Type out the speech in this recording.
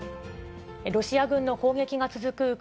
ロシア軍の攻撃が続く